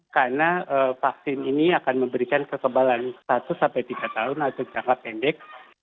karena vaksin ini akan memberikan kekebalan satu tiga tahun atau jangka pendek